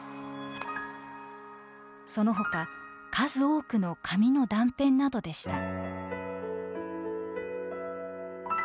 その他数多くの紙の断片などでした。